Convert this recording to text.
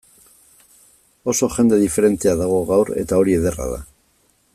Oso jende diferentea dago gaur, eta hori ederra da.